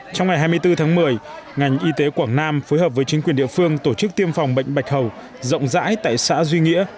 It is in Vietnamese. trong ngày hai mươi bốn tháng một mươi ngành y tế quảng nam phối hợp với chính quyền địa phương tổ chức tiêm phòng bệnh bạch hầu rộng rãi tại xã duy nghĩa